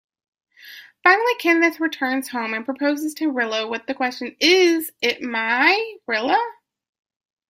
Finally, Kenneth returns home and proposes to Rilla with the question "Is" it Rilla-"my"-Rilla?